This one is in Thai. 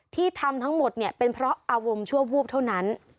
ที่ทำทั้งหมดเนี่ยเป็นเพราะอารมณ์ชั่ววูบเท่านั้น